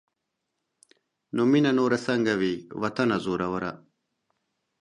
نو مينه نوره سنګه وي واطنه زوروره